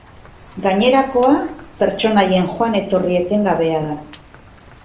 Gainerakoa pertsonaien joan-etorri etengabea da.